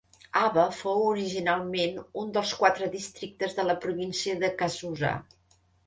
Awa fou originalment un dels quatre districtes de la província de Kazusa.